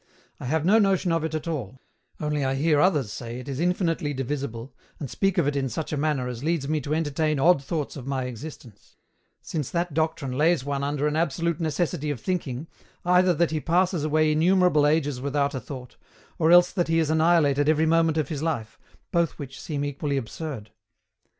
I have no notion of it at all, only I hear others say it is infinitely divisible, and speak of it in such a manner as leads me to entertain odd thoughts of my existence; since that doctrine lays one under an absolute necessity of thinking, either that he passes away innumerable ages without a thought, or else that he is annihilated every moment of his life, both which seem equally absurd.